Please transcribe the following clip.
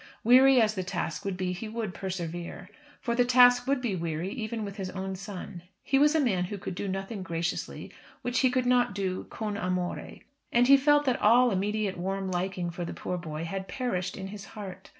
Weary as the task would be he would persevere. For the task would be weary even with his own son. He was a man who could do nothing graciously which he could not do con amore. And he felt that all immediate warm liking for the poor boy had perished in his heart.